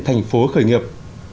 thành phố khởi nghiệp